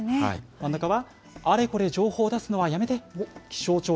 真ん中は、あれこれ情報出すのはやめて。